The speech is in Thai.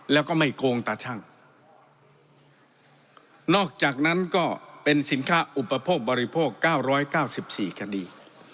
แล้วก็ไม่โกงตาชั่งนอกจากนั้นก็เป็นสินค้าอุปโภคบริโภคเก้าร้อยเก้าสิบสี่คดี